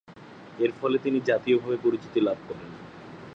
এরফলে তিনি জাতীয়ভাবে পরিচিতি লাভ করেন।